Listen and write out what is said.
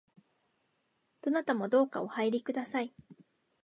どなたもどうかお入りください